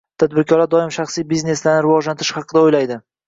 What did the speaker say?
Tadbirkorlar doimo shaxsiy bizneslarini rivojlantirish haqida o‘ylaydi